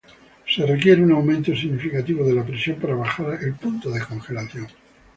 Se requiere un aumento significativo de la presión para bajar el punto de congelación.